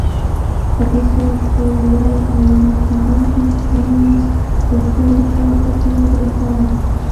په دې صورت کې ویلې کېدونکي فیوز پر ټولو سرکټونو برېښنا بندوي.